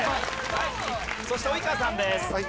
そして及川さんです。